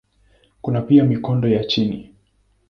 Kuna pia mikondo ya chini.